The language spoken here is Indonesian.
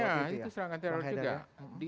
ya itu serangan teror juga